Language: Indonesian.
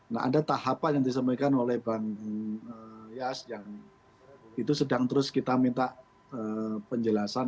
nah ada tahapan yang disampaikan oleh bung yes yang itu sedang terus kita minta penjelasan dan penelitian